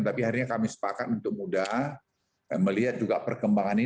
tapi akhirnya kami sepakat untuk mudah melihat juga perkembangan ini